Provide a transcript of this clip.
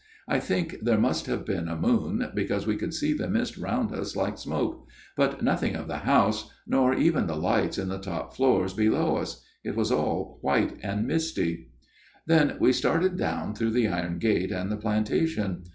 I think there must have been a moon, because we could see the mist round us like smoke ; but nothing of the house, nor even the lights in the top floors below us It was all white and misty. " Then we started down through the iron gate and the plantation.